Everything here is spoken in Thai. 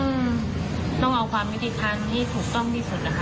มันต้องเอาความวิธีทางให้ถูกต้องที่สุด